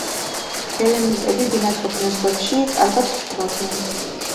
ბელემნიტები ბინადრობდნენ ზღვებში, კარგად ცურავდნენ.